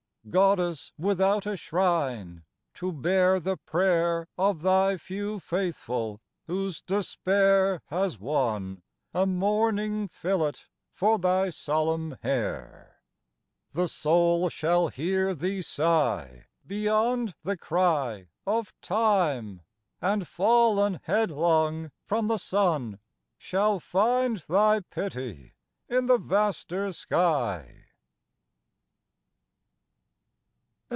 Goddess without a shrine to bear the prayer Of thy few faithful, whose despair has won A mourning fillet for thy solemn hair: The soul shall hear thee sigh beyond the cry Of Time, and fallen headlong from the sun, Shall find thy pity in the vaster sky.